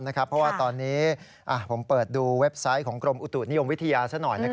เพราะว่าตอนนี้ผมเปิดดูเว็บไซต์ของกรมอุตุนิยมวิทยาซะหน่อย